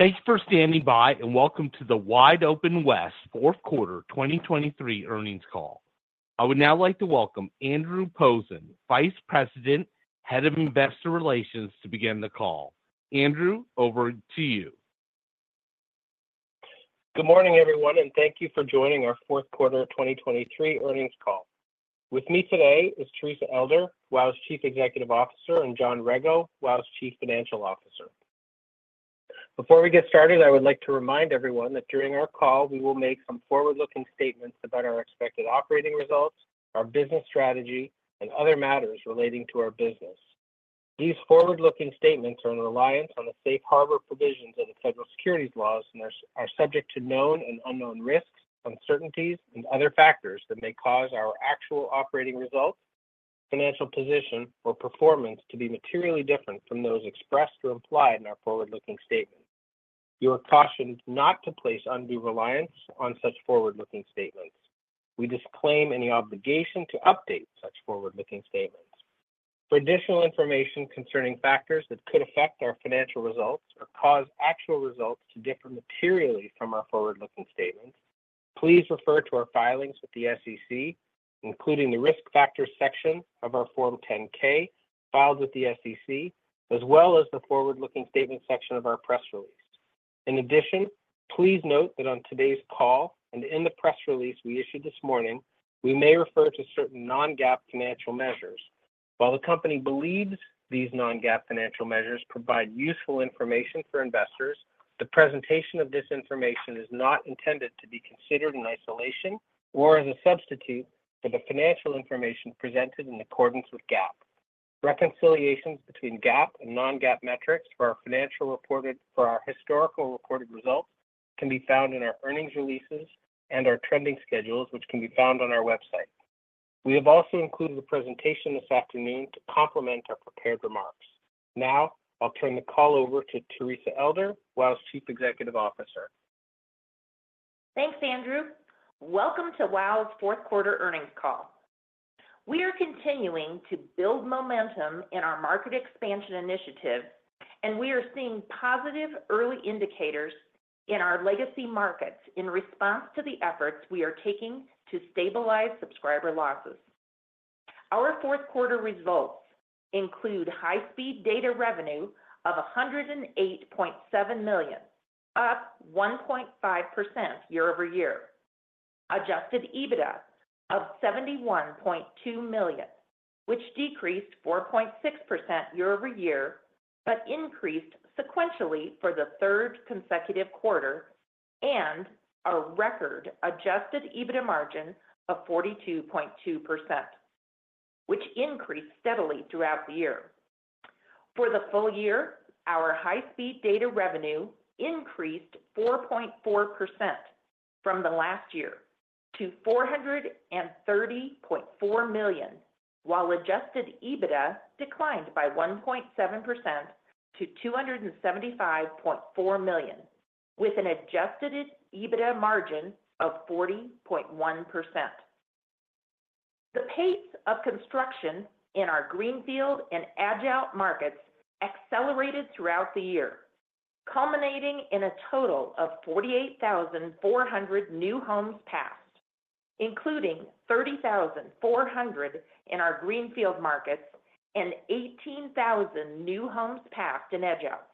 Thanks for standing by and welcome to the WideOpenWest fourth quarter 2023 earnings call. I would now like to welcome Andrew Posen, Vice President, Head of Investor Relations, to begin the call. Andrew, over to you. Good morning, everyone, and thank you for joining our fourth quarter 2023 earnings call. With me today is Teresa Elder, WOW's Chief Executive Officer, and John Rego, WOW's Chief Financial Officer. Before we get started, I would like to remind everyone that during our call we will make some forward-looking statements about our expected operating results, our business strategy, and other matters relating to our business. These forward-looking statements are in reliance on the safe harbor provisions of the federal securities laws and are subject to known and unknown risks, uncertainties, and other factors that may cause our actual operating results, financial position, or performance to be materially different from those expressed or implied in our forward-looking statements. You are cautioned not to place undue reliance on such forward-looking statements. We disclaim any obligation to update such forward-looking statements. For additional information concerning factors that could affect our financial results or cause actual results to differ materially from our forward-looking statements, please refer to our filings with the SEC, including the Risk Factors section of our Form 10-K filed with the SEC, as well as the Forward-Looking Statements section of our press release. In addition, please note that on today's call and in the press release we issued this morning, we may refer to certain non-GAAP financial measures. While the company believes these non-GAAP financial measures provide useful information for investors, the presentation of this information is not intended to be considered in isolation or as a substitute for the financial information presented in accordance with GAAP. Reconciliations between GAAP and non-GAAP metrics for our historical reported results can be found in our earnings releases and our trending schedules, which can be found on our website. We have also included a presentation this afternoon to complement our prepared remarks. Now I'll turn the call over to Teresa Elder, WOW's Chief Executive Officer. Thanks, Andrew. Welcome to WOW's fourth quarter earnings call. We are continuing to build momentum in our market expansion initiative, and we are seeing positive early indicators in our legacy markets in response to the efforts we are taking to stabilize subscriber losses. Our fourth quarter results include high-speed data revenue of $108.7 million, up 1.5% year-over-year, Adjusted EBITDA of $71.2 million, which decreased 4.6% year-over-year but increased sequentially for the third consecutive quarter, and a record Adjusted EBITDA margin of 42.2%, which increased steadily throughout the year. For the full year, our high-speed data revenue increased 4.4% from the last year to $430.4 million, while Adjusted EBITDA declined by 1.7% to $275.4 million, with an Adjusted EBITDA margin of 40.1%. The pace of construction in our Greenfield and Edge-out Markets accelerated throughout the year, culminating in a total of 48,400 new homes passed, including 30,400 in our Greenfield Markets and 18,000 new homes passed in Edge-out.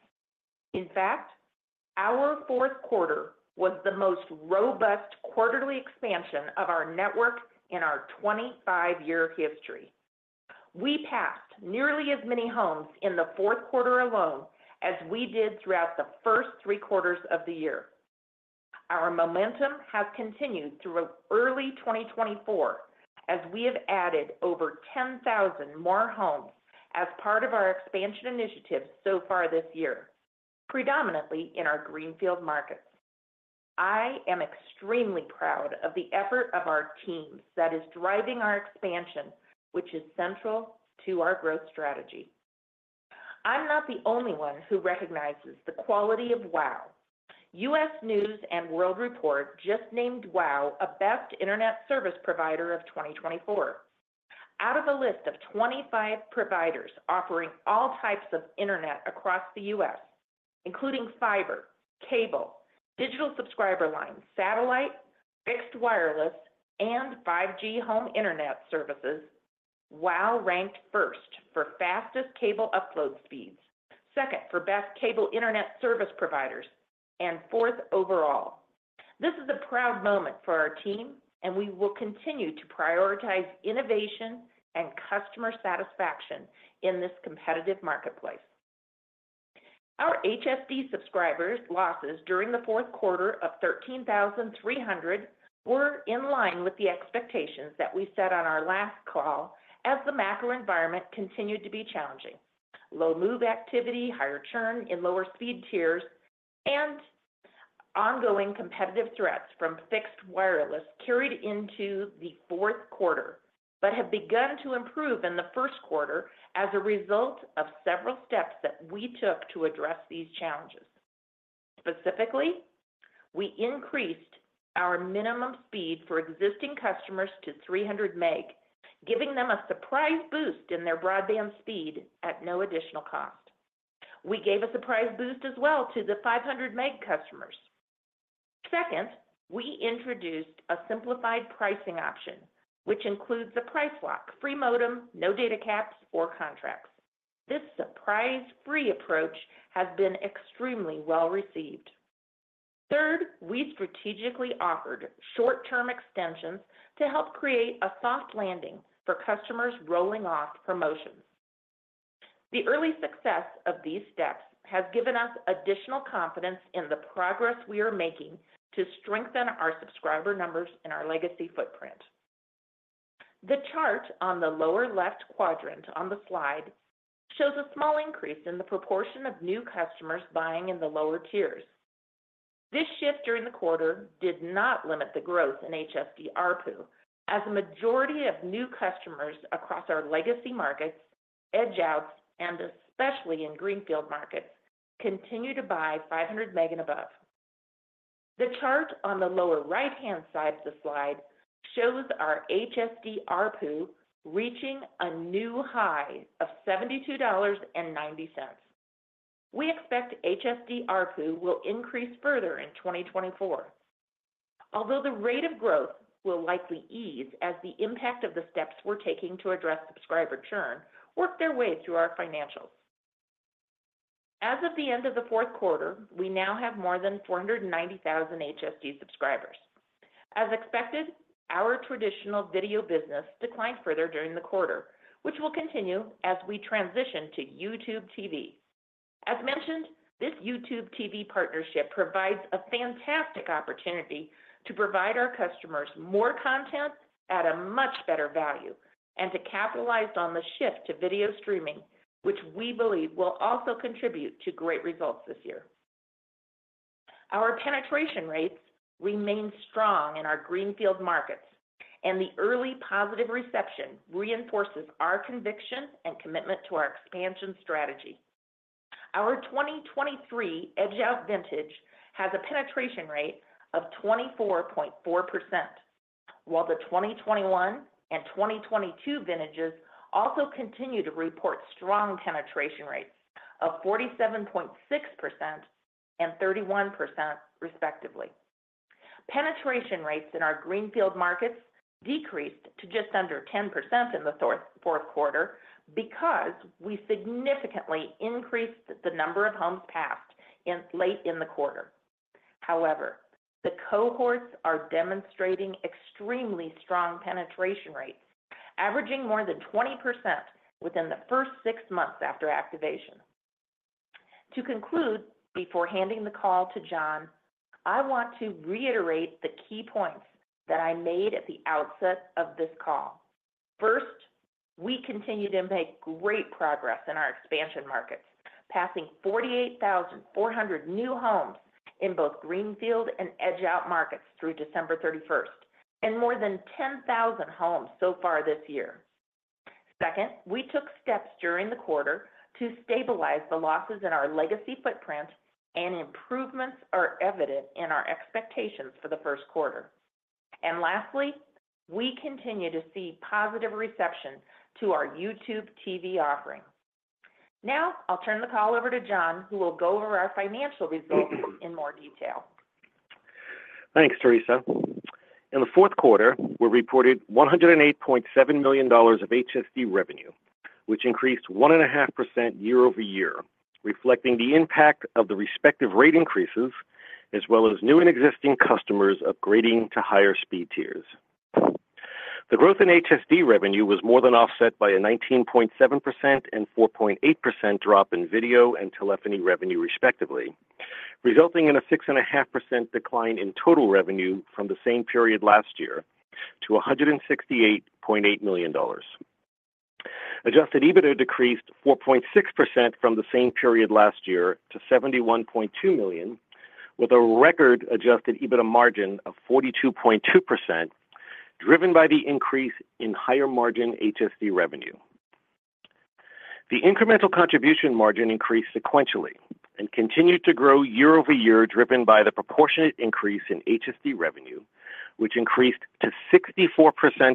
In fact, our fourth quarter was the most robust quarterly expansion of our network in our 25-year history. We passed nearly as many homes in the fourth quarter alone as we did throughout the first three quarters of the year. Our momentum has continued through early 2024, as we have added over 10,000 more homes as part of our expansion initiatives so far this year, predominantly in our Greenfield Markets. I am extremely proud of the effort of our team that is driving our expansion, which is central to our growth strategy. I'm not the only one who recognizes the quality of WOW. U.S. News & World Report just named WOW a best internet service provider of 2024. Out of a list of 25 providers offering all types of internet across the U.S., including fiber, cable, digital subscriber lines, satellite, fixed wireless, and 5G home internet services, WOW ranked first for fastest cable upload speeds, second for best cable internet service providers, and fourth overall. This is a proud moment for our team, and we will continue to prioritize innovation and customer satisfaction in this competitive marketplace. Our HSD subscriber losses during the fourth quarter of 13,300 were in line with the expectations that we set on our last call as the macro environment continued to be challenging: low move activity, higher churn in lower speed tiers, and ongoing competitive threats from fixed wireless carried into the fourth quarter but have begun to improve in the first quarter as a result of several steps that we took to address these challenges. Specifically, we increased our minimum speed for existing customers to 300 Mbps, giving them a surprise boost in their broadband speed at no additional cost. We gave a surprise boost as well to the 500 Mbps customers. Second, we introduced a simplified pricing option, which includes a price lock: free modem, no data caps, or contracts. This surprise-free approach has been extremely well received. Third, we strategically offered short-term extensions to help create a soft landing for customers rolling off promotions. The early success of these steps has given us additional confidence in the progress we are making to strengthen our subscriber numbers in our legacy footprint. The chart on the lower left quadrant on the slide shows a small increase in the proportion of new customers buying in the lower tiers. This shift during the quarter did not limit the growth in HSD ARPU, as a majority of new customers across our legacy markets, Edge-outs, and especially in Greenfield markets continue to buy 500 Mbps and above. The chart on the lower right-hand side of the slide shows our HSD ARPU reaching a new high of $72.90. We expect HSD ARPU will increase further in 2024, although the rate of growth will likely ease as the impact of the steps we're taking to address subscriber churn works their way through our financials. As of the end of the fourth quarter, we now have more than 490,000 HSD subscribers. As expected, our traditional video business declined further during the quarter, which will continue as we transition to YouTube TV. As mentioned, this YouTube TV partnership provides a fantastic opportunity to provide our customers more content at a much better value and to capitalize on the shift to video streaming, which we believe will also contribute to great results this year. Our penetration rates remain strong in our Greenfield Markets, and the early positive reception reinforces our conviction and commitment to our expansion strategy. Our 2023 Edge-out vintage has a penetration rate of 24.4%, while the 2021 and 2022 vintages also continue to report strong penetration rates of 47.6% and 31%, respectively. Penetration rates in our Greenfield markets decreased to just under 10% in the fourth quarter because we significantly increased the number of homes passed late in the quarter. However, the cohorts are demonstrating extremely strong penetration rates, averaging more than 20% within the first six months after activation. To conclude, before handing the call to John, I want to reiterate the key points that I made at the outset of this call. First, we continued and made great progress in our expansion markets, passing 48,400 new homes in both Greenfield and Edge-out markets through December 31st and more than 10,000 homes so far this year. Second, we took steps during the quarter to stabilize the losses in our legacy footprint, and improvements are evident in our expectations for the first quarter. Lastly, we continue to see positive reception to our YouTube TV offering. Now I'll turn the call over to John, who will go over our financial results in more detail. Thanks, Teresa. In the fourth quarter, we reported $108.7 million of HSD revenue, which increased 1.5% year-over-year, reflecting the impact of the respective rate increases as well as new and existing customers upgrading to higher speed tiers. The growth in HSD revenue was more than offset by a 19.7% and 4.8% drop in video and telephony revenue, respectively, resulting in a 6.5% decline in total revenue from the same period last year to $168.8 million. Adjusted EBITDA decreased 4.6% from the same period last year to $71.2 million, with a record adjusted EBITDA margin of 42.2% driven by the increase in higher margin HSD revenue. The incremental contribution margin increased sequentially and continued to grow year-over-year, driven by the proportionate increase in HSD revenue, which increased to 64%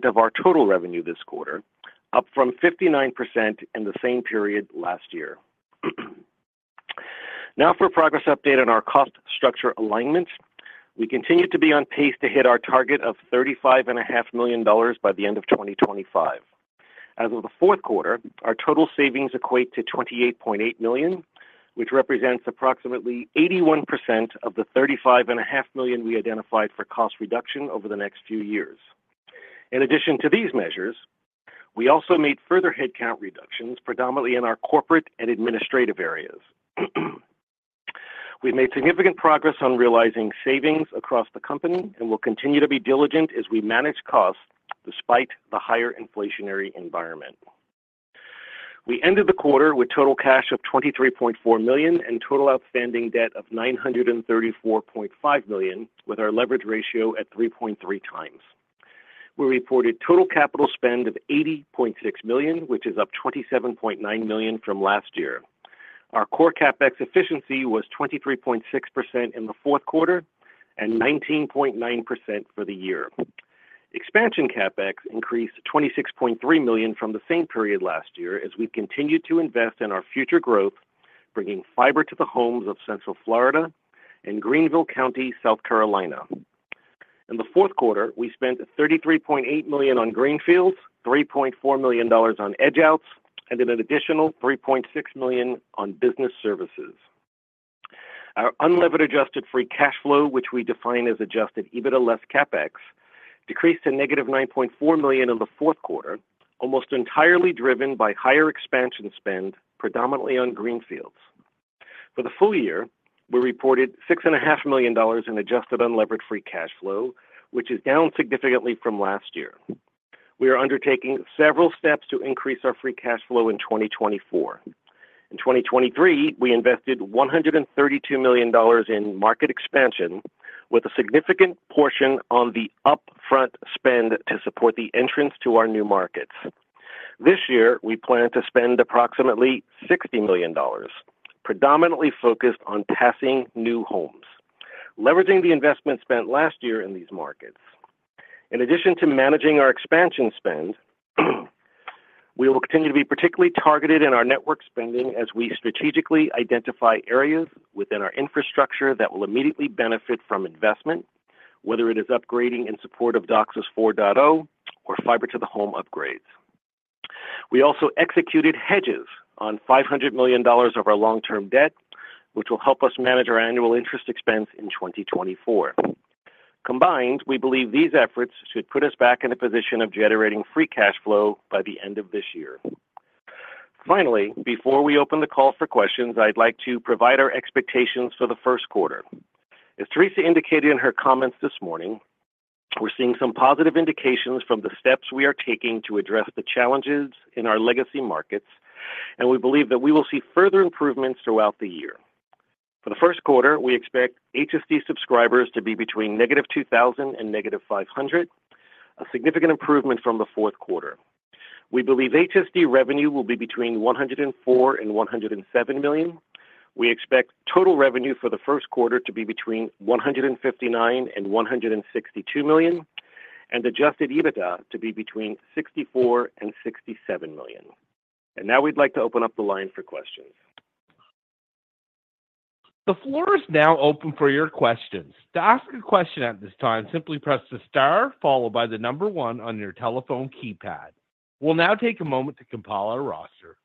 of our total revenue this quarter, up from 59% in the same period last year. Now for a progress update on our cost structure alignment, we continue to be on pace to hit our target of $35.5 million by the end of 2025. As of the fourth quarter, our total savings equate to $28.8 million, which represents approximately 81% of the $35.5 million we identified for cost reduction over the next few years. In addition to these measures, we also made further headcount reductions, predominantly in our corporate and administrative areas. We've made significant progress on realizing savings across the company and will continue to be diligent as we manage costs despite the higher inflationary environment. We ended the quarter with total cash of $23.4 million and total outstanding debt of $934.5 million, with our leverage ratio at 3.3x. We reported total capital spend of $80.6 million, which is up $27.9 million from last year. Our Core Capex Efficiency was 23.6% in the fourth quarter and 19.9% for the year. Expansion Capex increased $26.3 million from the same period last year as we've continued to invest in our future growth, bringing fiber to the homes of Central Florida and Greenville County, South Carolina. In the fourth quarter, we spent $33.8 million on Greenfields, $3.4 million on Edge-outs, and an additional $3.6 million on business services. Our Unlevered Adjusted Free Cash Flow, which we define as Adjusted EBITDA less Capex, decreased to -$9.4 million in the fourth quarter, almost entirely driven by higher expansion spend, predominantly on Greenfields. For the full year, we reported $6.5 million in Adjusted Unlevered Free Cash Flow, which is down significantly from last year. We are undertaking several steps to increase our free cash flow in 2024. In 2023, we invested $132 million in market expansion, with a significant portion on the upfront spend to support the entrance to our new markets. This year, we plan to spend approximately $60 million, predominantly focused on passing new homes, leveraging the investment spent last year in these markets. In addition to managing our expansion spend, we will continue to be particularly targeted in our network spending as we strategically identify areas within our infrastructure that will immediately benefit from investment, whether it is upgrading in support of DOCSIS 4.0 or fiber-to-the-home upgrades. We also executed hedges on $500 million of our long-term debt, which will help us manage our annual interest expense in 2024. Combined, we believe these efforts should put us back in a position of generating free cash flow by the end of this year. Finally, before we open the call for questions, I'd like to provide our expectations for the first quarter. As Teresa indicated in her comments this morning, we're seeing some positive indications from the steps we are taking to address the challenges in our legacy markets, and we believe that we will see further improvements throughout the year. For the first quarter, we expect HSD subscribers to be between -2,000 and -500, a significant improvement from the fourth quarter. We believe HSD revenue will be between $104 million-$107 million. We expect total revenue for the first quarter to be between $159 million-$162 million, and Adjusted EBITDA to be between $64 million-$67 million. Now we'd like to open up the line for questions. The floor is now open for your questions. To ask a question at this time, simply press the star followed by the number one on your telephone keypad. We'll now take a moment to compile our roster.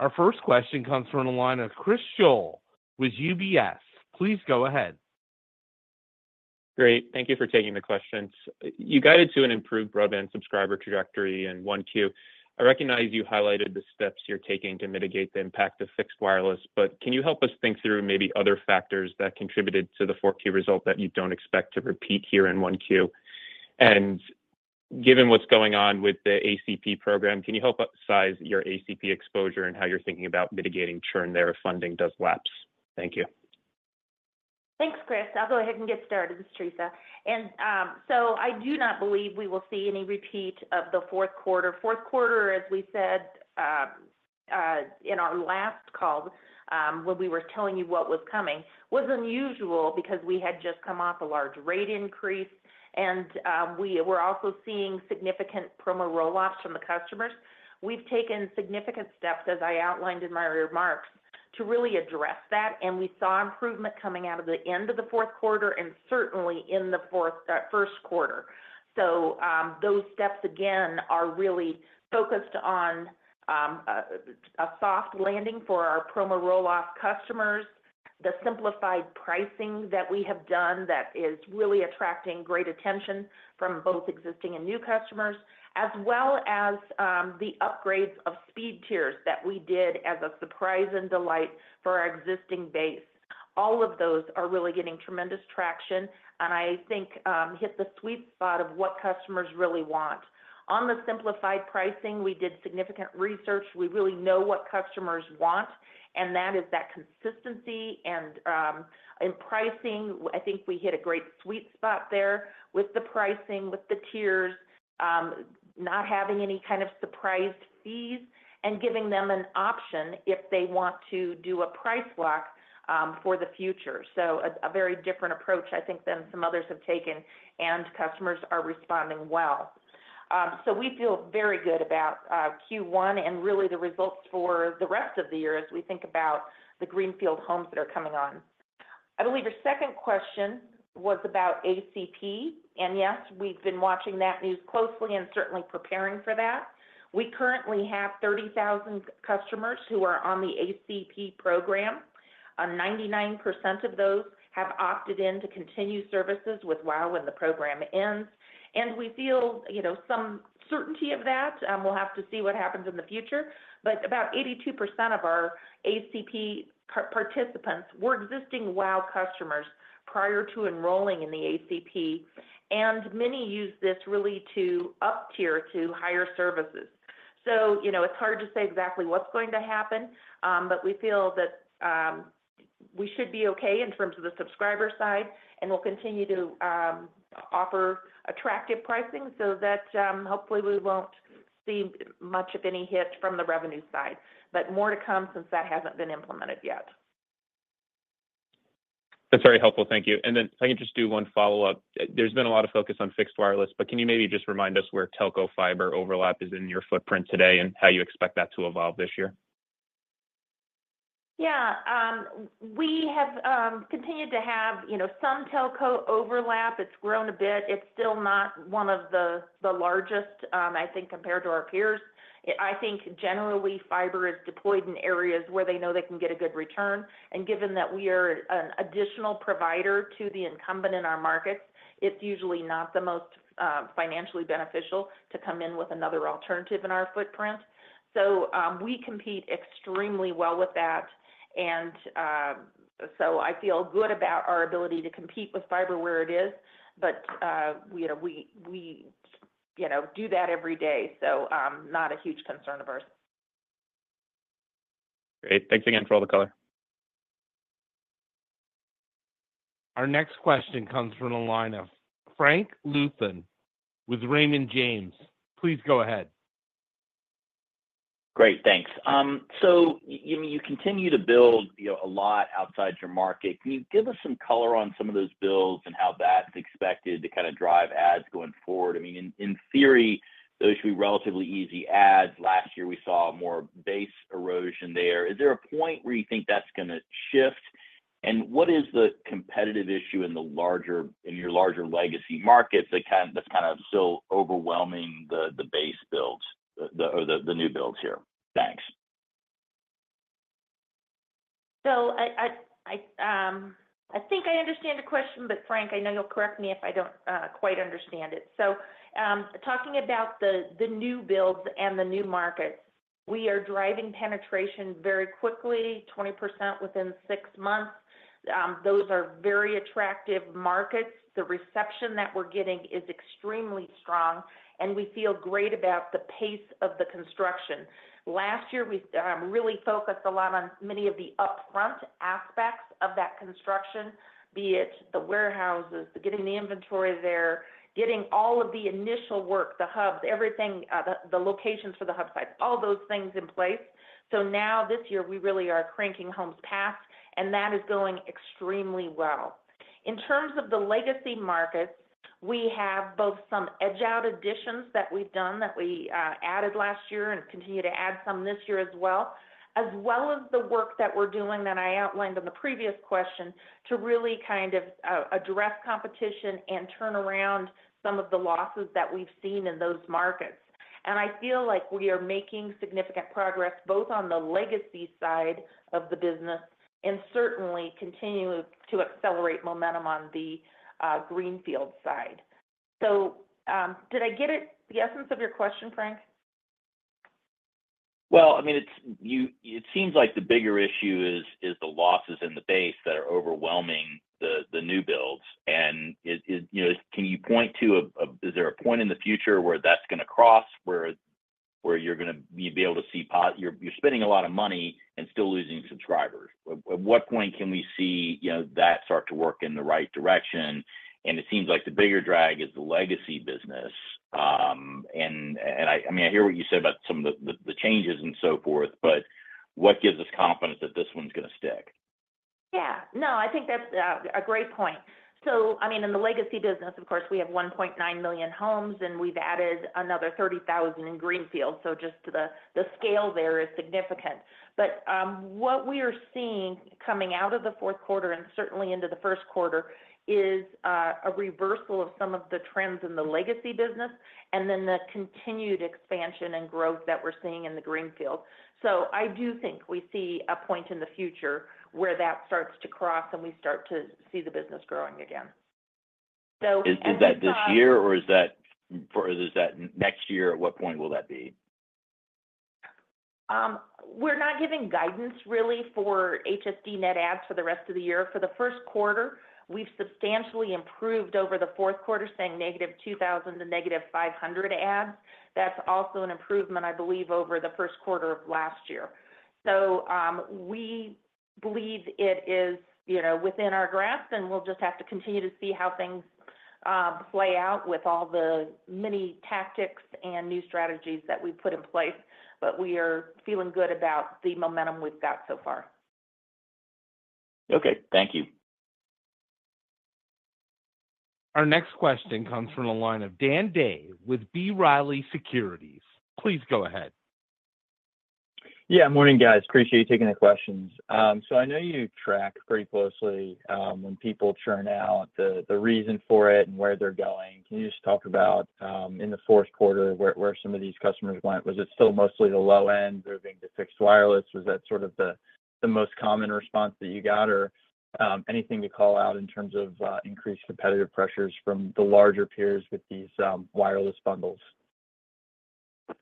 Our first question comes from a line of Chris Schoell with UBS. Please go ahead. Great. Thank you for taking the questions. You guided to an improved broadband subscriber trajectory in 1Q. I recognize you highlighted the steps you're taking to mitigate the impact of fixed wireless, but can you help us think through maybe other factors that contributed to the 4Q result that you don't expect to repeat here in 1Q? And given what's going on with the ACP program, can you help size your ACP exposure and how you're thinking about mitigating churn there if funding does lapse? Thank you. Thanks, Chris. I'll go ahead and get started, Teresa. And so I do not believe we will see any repeat of the fourth quarter. Fourth quarter, as we said in our last call when we were telling you what was coming, was unusual because we had just come off a large rate increase, and we were also seeing significant promo roll-offs from the customers. We've taken significant steps, as I outlined in my remarks, to really address that, and we saw improvement coming out of the end of the fourth quarter and certainly in the first quarter. So those steps, again, are really focused on a soft landing for our Promo Roll-off customers, the simplified pricing that we have done that is really attracting great attention from both existing and new customers, as well as the upgrades of speed tiers that we did as a surprise and delight for our existing base. All of those are really getting tremendous traction and I think hit the sweet spot of what customers really want. On the simplified pricing, we did significant research. We really know what customers want, and that is that consistency in pricing. I think we hit a great sweet spot there with the pricing, with the tiers, not having any kind of surprise fees, and giving them an option if they want to do a price lock for the future. So a very different approach, I think, than some others have taken, and customers are responding well. So we feel very good about Q1 and really the results for the rest of the year as we think about the Greenfield homes that are coming on. I believe your second question was about ACP, and yes, we've been watching that news closely and certainly preparing for that. We currently have 30,000 customers who are on the ACP program. 99% of those have opted in to continue services with WOW when the program ends, and we feel some certainty of that. We'll have to see what happens in the future, but about 82% of our ACP participants were existing WOW customers prior to enrolling in the ACP, and many use this really to uptier to higher services. So it's hard to say exactly what's going to happen, but we feel that we should be okay in terms of the subscriber side, and we'll continue to offer attractive pricing so that hopefully we won't see much of any hit from the revenue side. But more to come since that hasn't been implemented yet. That's very helpful. Thank you. Then if I can just do one follow-up. There's been a lot of focus on fixed wireless, but can you maybe just remind us where telco fiber overlap is in your footprint today and how you expect that to evolve this year? Yeah. We have continued to have some telco overlap. It's grown a bit. It's still not one of the largest, I think, compared to our peers. I think generally fiber is deployed in areas where they know they can get a good return. Given that we are an additional provider to the incumbent in our markets, it's usually not the most financially beneficial to come in with another alternative in our footprint. We compete extremely well with that, and so I feel good about our ability to compete with fiber where it is, but we do that every day, so not a huge concern of ours. Great. Thanks again for all the color. Our next question comes from a line of Frank Louthan with Raymond James. Please go ahead. Great. Thanks. So you continue to build a lot outside your market. Can you give us some color on some of those builds and how that's expected to kind of drive adds going forward? I mean, in theory, those should be relatively easy adds. Last year we saw more base erosion there. Is there a point where you think that's going to shift? And what is the competitive issue in your larger legacy markets that's kind of still overwhelming the base builds or the new builds here? Thanks. So I think I understand the question, but Frank, I know you'll correct me if I don't quite understand it. So talking about the new builds and the new markets, we are driving penetration very quickly, 20% within six months. Those are very attractive markets. The reception that we're getting is extremely strong, and we feel great about the pace of the construction. Last year we really focused a lot on many of the upfront aspects of that construction, be it the warehouses, getting the inventory there, getting all of the initial work, the hubs, everything, the locations for the hub sites, all those things in place. So now this year we really are cranking homes passed, and that is going extremely well. In terms of the legacy markets, we have both some edge-out additions that we've done that we added last year and continue to add some this year as well, as well as the work that we're doing that I outlined in the previous question to really kind of address competition and turn around some of the losses that we've seen in those markets. And I feel like we are making significant progress both on the legacy side of the business and certainly continue to accelerate momentum on the Greenfield side. So did I get the essence of your question, Frank? Well, I mean, it seems like the bigger issue is the losses in the base that are overwhelming the new builds. And can you point to a is there a point in the future where that's going to cross, where you're going to be able to see you're spending a lot of money and still losing subscribers? At what point can we see that start to work in the right direction? And it seems like the bigger drag is the legacy business. And I mean, I hear what you said about some of the changes and so forth, but what gives us confidence that this one's going to stick? Yeah. No, I think that's a great point. So I mean, in the legacy business, of course, we have 1.9 million homes, and we've added another 30,000 in Greenfields. So just the scale there is significant. But what we are seeing coming out of the fourth quarter and certainly into the first quarter is a reversal of some of the trends in the legacy business and then the continued expansion and growth that we're seeing in the Greenfields. So I do think we see a point in the future where that starts to cross and we start to see the business growing again. Is that this year, or is that next year? At what point will that be? We're not giving guidance really for HSD net adds for the rest of the year. For the first quarter, we've substantially improved over the fourth quarter, saying -2,000 to -500 adds. That's also an improvement, I believe, over the first quarter of last year. We believe it is within our grasp, and we'll just have to continue to see how things play out with all the many tactics and new strategies that we put in place. We are feeling good about the momentum we've got so far. Okay. Thank you. Our next question comes from a line of Dan Day with B. Riley Securities. Please go ahead. Yeah. Morning, guys. Appreciate you taking the questions. So I know you track pretty closely when people churn out, the reason for it, and where they're going. Can you just talk about in the fourth quarter where some of these customers went? Was it still mostly the low-end moving to fixed wireless? Was that sort of the most common response that you got, or anything to call out in terms of increased competitive pressures from the larger peers with these wireless bundles?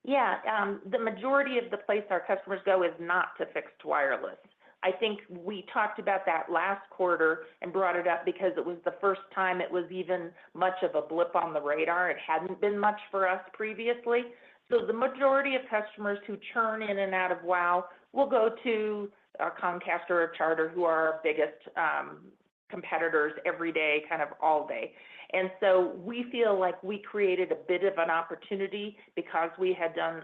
Yeah. The majority of the place our customers go is not to fixed wireless. I think we talked about that last quarter and brought it up because it was the first time it was even much of a blip on the radar. It hadn't been much for us previously. So the majority of customers who churn in and out of WOW will go to Comcast or Charter who are our biggest competitors every day, kind of all day. And so we feel like we created a bit of an opportunity because we had done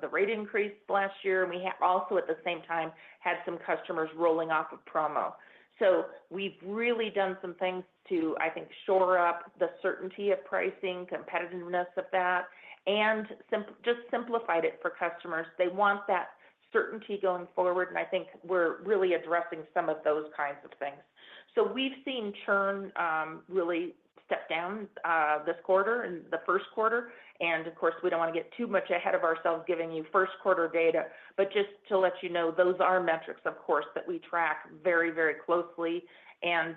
the rate increase last year, and we also at the same time had some customers rolling off of promo. So we've really done some things to, I think, shore up the certainty of pricing, competitiveness of that, and just simplified it for customers. They want that certainty going forward, and I think we're really addressing some of those kinds of things. So we've seen churn really step down this quarter and the first quarter. And of course, we don't want to get too much ahead of ourselves giving you first quarter data, but just to let you know, those are metrics, of course, that we track very, very closely and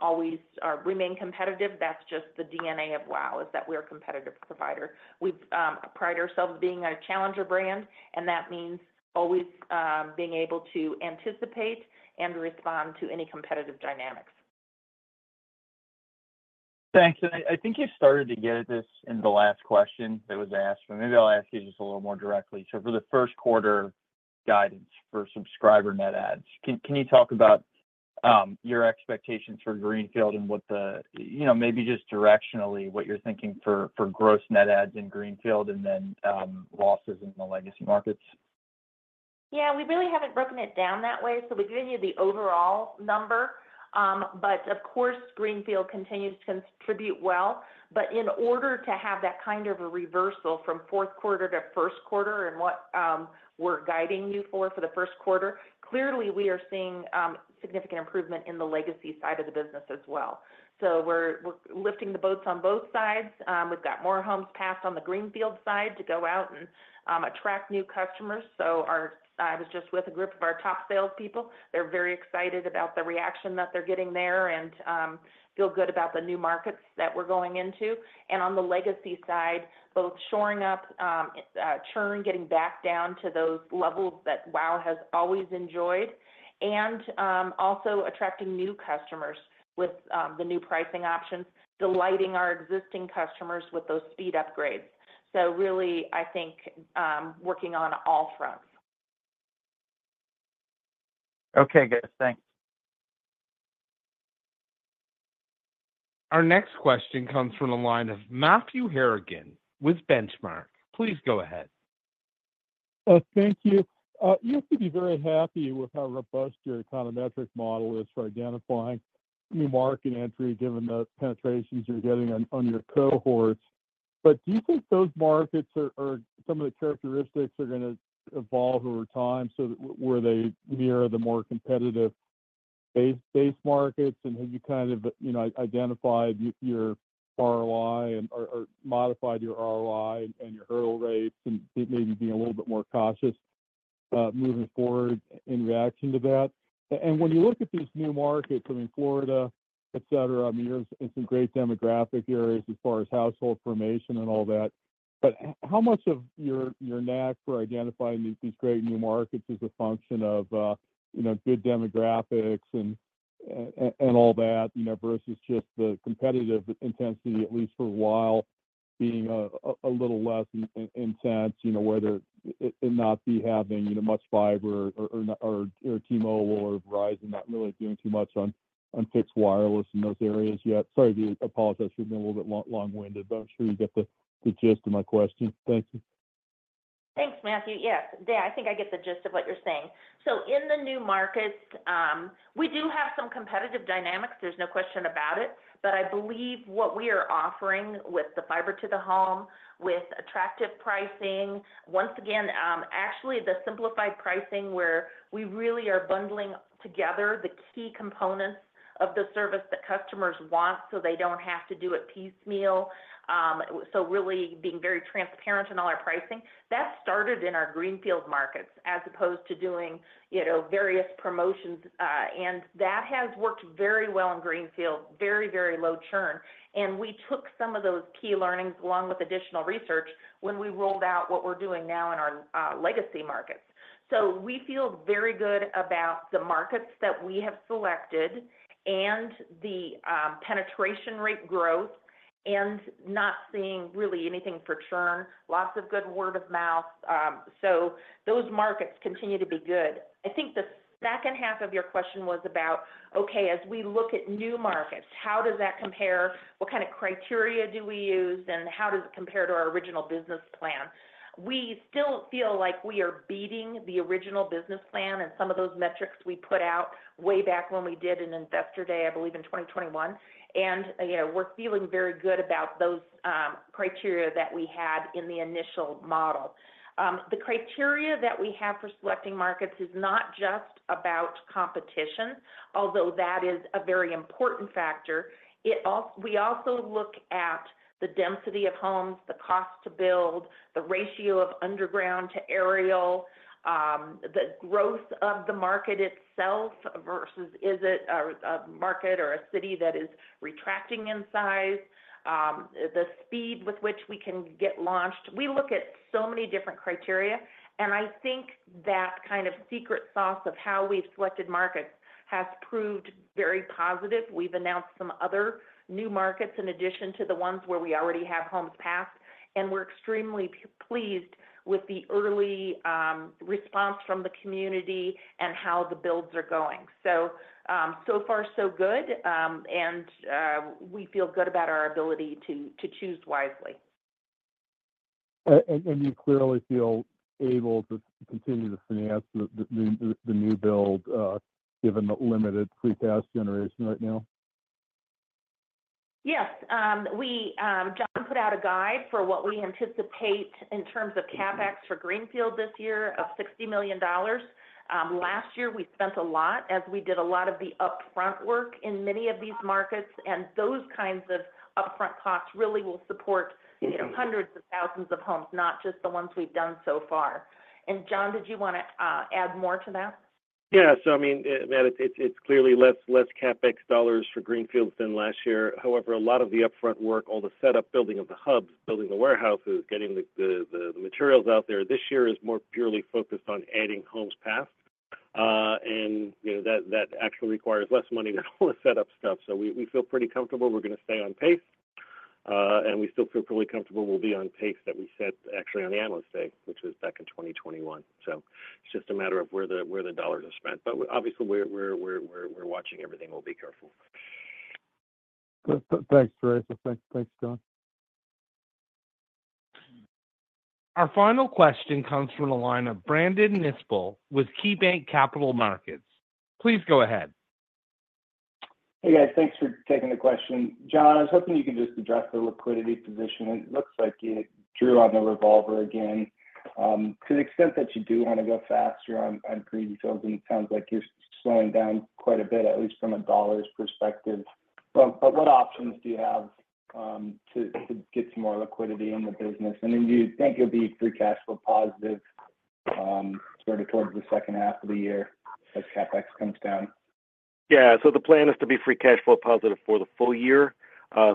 always remain competitive. That's just the DNA of WOW!, is that we're a competitive provider. We pride ourselves being a challenger brand, and that means always being able to anticipate and respond to any competitive dynamics. Thanks. I think you started to get at this in the last question that was asked, but maybe I'll ask you just a little more directly. For the first quarter guidance for subscriber net adds, can you talk about your expectations for Greenfield and maybe just directionally what you're thinking for gross and net adds in Greenfield and then losses in the legacy markets? Yeah. We really haven't broken it down that way. So we gave you the overall number, but of course, Greenfield continues to contribute well. But in order to have that kind of a reversal from fourth quarter to first quarter and what we're guiding you for for the first quarter, clearly we are seeing significant improvement in the legacy side of the business as well. So we're lifting the boats on both sides. We've got more homes passed on the Greenfield side to go out and attract new customers. So I was just with a group of our top salespeople. They're very excited about the reaction that they're getting there and feel good about the new markets that we're going into. On the legacy side, both shoring up, churn, getting back down to those levels that WOW has always enjoyed, and also attracting new customers with the new pricing options, delighting our existing customers with those speed upgrades. Really, I think working on all fronts. Okay, guys. Thanks. Our next question comes from a line of Matthew Harrigan with Benchmark. Please go ahead. Thank you. You have to be very happy with how robust your econometric model is for identifying new market entry given the penetrations you're getting on your cohorts. But do you think those markets or some of the characteristics are going to evolve over time where they mirror the more competitive base markets? And have you kind of identified your ROI or modified your ROI and your hurdle rates and maybe being a little bit more cautious moving forward in reaction to that? And when you look at these new markets, I mean, Florida, etc., I mean, you're in some great demographic areas as far as household formation and all that. But how much of your knack for identifying these great new markets is a function of good demographics and all that versus just the competitive intensity, at least for a while, being a little less intense, whether it not be having much fiber or T-Mobile or Verizon not really doing too much on fixed wireless in those areas yet? Sorry to apologize. Should have been a little bit long-winded, but I'm sure you get the gist of my question. Thank you. Thanks, Matthew. Yes. Yeah, I think I get the gist of what you're saying. So in the new markets, we do have some competitive dynamics. There's no question about it. But I believe what we are offering with the fiber to the home, with attractive pricing, once again, actually the simplified pricing where we really are bundling together the key components of the service that customers want so they don't have to do it piecemeal. So really being very transparent in all our pricing. That started in our Greenfield markets as opposed to doing various promotions. And that has worked very well in Greenfield, very, very low churn. And we took some of those key learnings along with additional research when we rolled out what we're doing now in our legacy markets. So we feel very good about the markets that we have selected and the penetration rate growth and not seeing really anything for churn, lots of good word of mouth. So those markets continue to be good. I think the second half of your question was about, okay, as we look at new markets, how does that compare? What kind of criteria do we use, and how does it compare to our original business plan? We still feel like we are beating the original business plan and some of those metrics we put out way back when we did an investor day, I believe, in 2021. We're feeling very good about those criteria that we had in the initial model. The criteria that we have for selecting markets is not just about competition, although that is a very important factor. We also look at the density of homes, the cost to build, the ratio of underground to aerial, the growth of the market itself versus, is it a market or a city that is retracting in size, the speed with which we can get launched. We look at so many different criteria. And I think that kind of secret sauce of how we've selected markets has proved very positive. We've announced some other new markets in addition to the ones where we already have homes passed. And we're extremely pleased with the early response from the community and how the builds are going. So far, so good. And we feel good about our ability to choose wisely. You clearly feel able to continue to finance the new build given the limited free cash generation right now? Yes. John put out a guide for what we anticipate in terms of Capex for Greenfield this year of $60 million. Last year, we spent a lot as we did a lot of the upfront work in many of these markets. And those kinds of upfront costs really will support hundreds of thousands of homes, not just the ones we've done so far. And John, did you want to add more to that? Yeah. So I mean, Matt, it's clearly less Capex dollars for Greenfields than last year. However, a lot of the upfront work, all the setup, building of the hubs, building the warehouses, getting the materials out there this year is more purely focused on adding homes passed. And that actually requires less money than all the setup stuff. So we feel pretty comfortable. We're going to stay on pace. And we still feel pretty comfortable we'll be on pace that we set actually on the Analyst Day, which was back in 2021. So it's just a matter of where the dollars are spent. But obviously, we're watching everything. We'll be careful. Thanks, Teresa. Thanks, John. Our final question comes from a line of Brandon Nispel with KeyBanc Capital Markets. Please go ahead. Hey, guys. Thanks for taking the question. John, I was hoping you could just address the liquidity position. It looks like it drew on the revolver again. To the extent that you do want to go faster on Greenfields, and it sounds like you're slowing down quite a bit, at least from a dollar's perspective. But what options do you have to get some more liquidity in the business? And then you think you'll be free cash flow positive sort of towards the second half of the year as capex comes down? Yeah. So the plan is to be free cash flow positive for the full year.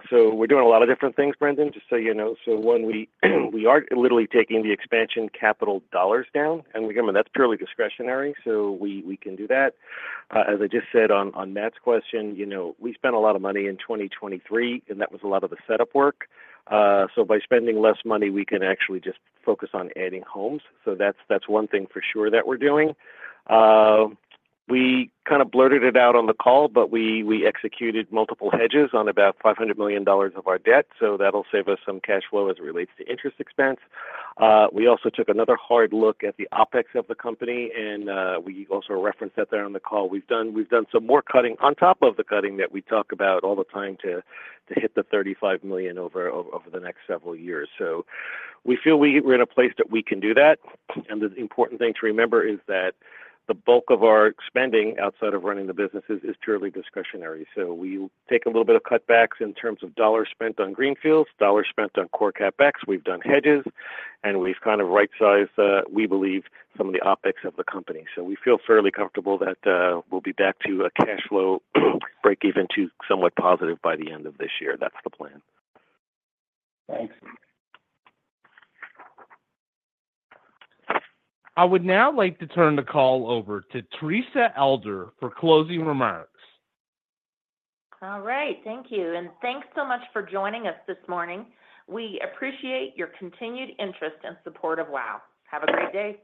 So we're doing a lot of different things, Brandon, just so you know. So one, we are literally taking the expansion capital dollars down. And again, that's purely discretionary. So we can do that. As I just said on Matt's question, we spent a lot of money in 2023, and that was a lot of the setup work. So by spending less money, we can actually just focus on adding homes. So that's one thing for sure that we're doing. We kind of blurted it out on the call, but we executed multiple hedges on about $500 million of our debt. So that'll save us some cash flow as it relates to interest expense. We also took another hard look at the OpEx of the company, and we also referenced that there on the call. We've done some more cutting on top of the cutting that we talk about all the time to hit the $35 million over the next several years. So we feel we're in a place that we can do that. And the important thing to remember is that the bulk of our spending outside of running the businesses is purely discretionary. So we take a little bit of cutbacks in terms of dollars spent on Greenfields, dollars spent on core Capex. We've done hedges, and we've kind of right-sized, we believe, some of the OpEx of the company. So we feel fairly comfortable that we'll be back to a cash flow break-even to somewhat positive by the end of this year. That's the plan. Thanks. I would now like to turn the call over to Teresa Elder for closing remarks. All right. Thank you. Thanks so much for joining us this morning. We appreciate your continued interest and support of WOW. Have a great day.